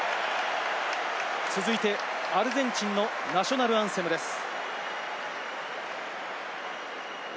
続いてアルゼンチンのナショナルアンセムです。